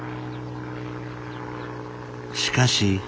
しかし。